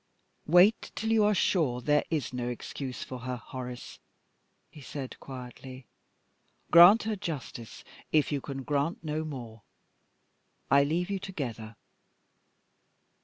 "Wait till you are sure there is no excuse for her, Horace," he said, quietly. "Grant her justice, if you can grant no more. I leave you together."